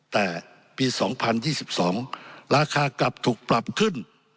แต่ปี๒๐๒๒ราคากลับถูกปรับขึ้น